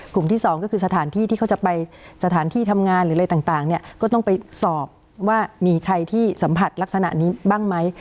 ที่สองก็คือสถานที่ที่เขาจะไปสถานที่ทำงานหรืออะไรต่างเนี่ยก็ต้องไปสอบว่ามีใครที่สัมผัสลักษณะนี้บ้างไหม